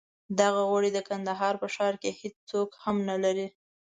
دغه غوړي د کندهار په ښار کې هېڅوک هم نه لري.